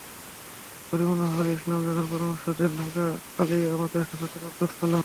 পরিপূর্ণভাবে ইসলাম জানার পরামর্শ দেন ঢাকা আলিয়া মাদ্রাসার ছাত্র আবদুস সালাম।